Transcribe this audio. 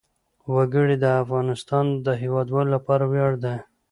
وګړي د افغانستان د هیوادوالو لپاره ویاړ دی.